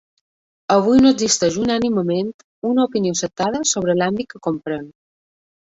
Avui no existeix unànimement una opinió acceptada sobre l'àmbit que comprèn.